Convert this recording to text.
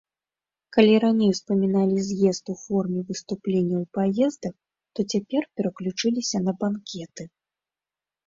Калі раней успаміналі з'езд у форме выступленняў і паездак, то цяпер пераключыліся на банкеты.